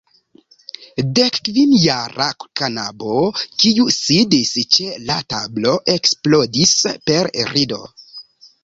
Dekkvinjara knabo, kiu sidis ĉe la tablo, eksplodis per rido.